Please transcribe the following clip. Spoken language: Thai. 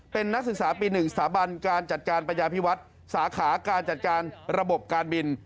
เป็นนักศึกษาปี๑สถาบันการจัดการปัญญาพิวัฒน์สาขาการจัดการระบบการบิน